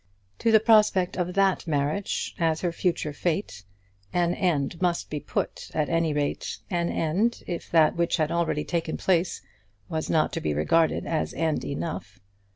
To the prospect of that marriage, as her future fate, an end must be put at any rate, an end, if that which had already taken place was not to be regarded as end enough.